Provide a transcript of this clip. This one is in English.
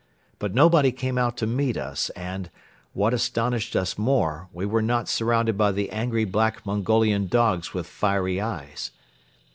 But nobody came out to meet us and, what astonished us more, we were not surrounded by the angry black Mongolian dogs with fiery eyes.